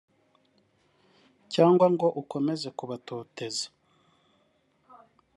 cyangwa ngo ukomeze kubatoteza…